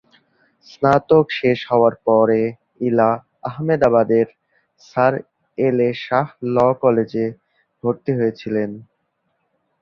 স্নাতক শেষ হওয়ার পরে ইলা আহমেদাবাদের স্যার এল এ শাহ ল কলেজে ভর্তি হয়েছিলেন।